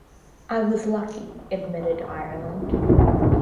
"I was lucky," admitted Ireland.